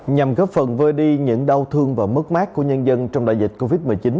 nhằm góp phần vơi đi những đau thương và mất mát của nhân dân trong đại dịch covid một mươi chín